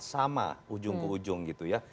sama ujung ke ujung gitu ya